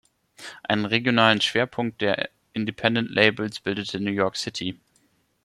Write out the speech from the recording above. Einen regionalen Schwerpunkt der Independent-Labels bildete New York City.